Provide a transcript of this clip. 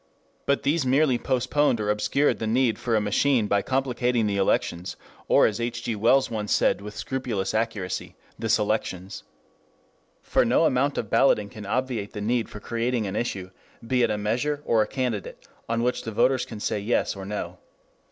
But these merely postponed or obscured the need for a machine by complicating the elections, or as H. G. Wells once said with scrupulous accuracy, the selections. For no amount of balloting can obviate the need of creating an issue, be it a measure or a candidate, on which the voters can say Yes, or No.